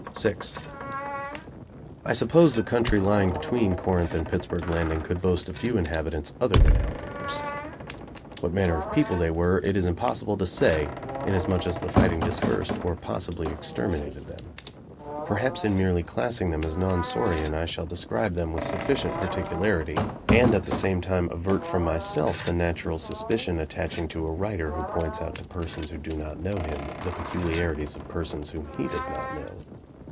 VI I suppose the country lying between Corinth and Pittsburg Landing could boast a few inhabitants other than alligators. What manner of people they were it is impossible to say, inasmuch as the fighting dispersed, or possibly exterminated them; perhaps in merely classing them as non saurian I shall describe them with sufficient particularity and at the same time avert from myself the natural suspicion attaching to a writer who points out to persons who do not know him the peculiarities of persons whom he does not know.